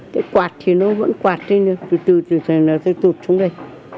cái quạt thì nó vẫn quạt trên đây từ từ từ từ là tôi tụt xuống đây